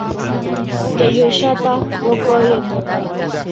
Jajoecháta vokoiete.